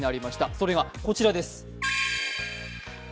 それがこちらです。